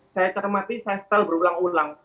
saya cermati saya style berulang ulang